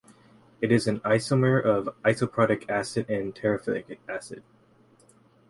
It is an isomer of isophthalic acid and terephthalic acid.